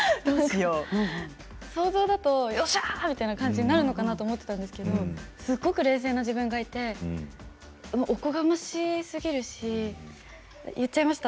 想像だとよっしゃー！みたいな感じになるのかなと思ったんですけどすごく冷静な自分がいておこがましすぎるし言っちゃいました